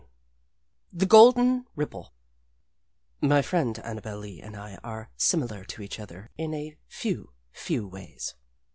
XXV THE GOLDEN RIPPLE My friend Annabel Lee and I are similar to each other in a few, few ways.